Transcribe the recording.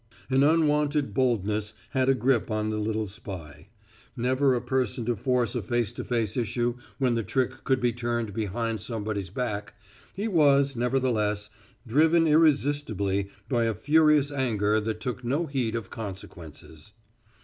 An unwonted boldness had a grip on the little spy. Never a person to force a face to face issue when the trick could be turned behind somebody's back, he was, nevertheless, driven irresistibly by a furious anger that took no heed of consequences.